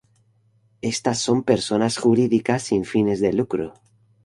Estas son personas jurídicas sin fines de lucro.